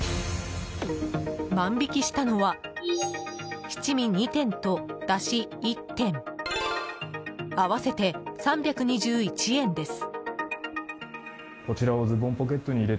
万引きしたのは七味２点と、だし１点合わせて３２１円です。